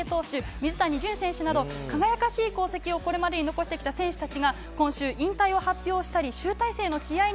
水谷隼選手など輝かしい功績をこれまでに残してきた選手たちが今週、引退を発表しました。